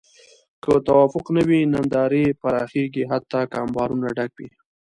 که توافق نه وي، ناندرۍ پراخېږي حتی که انبارونه ډک وي.